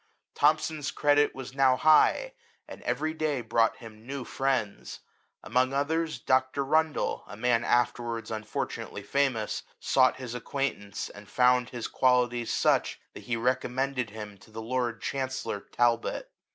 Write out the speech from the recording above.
Thomson's credit was now high, and every day brought him new friends; among others Dr, Rundle, a man afterwards unfortunately famous, sought his acquaintance, and found his qualities such, that he recommended him to the lord chancellor Talbot.